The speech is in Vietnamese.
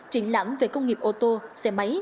triển lãm về công nghiệp ô tô xe máy